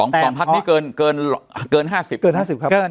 ๒ทั้งพักที่เกิน๕๐การ